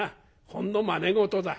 ほんのまね事だ。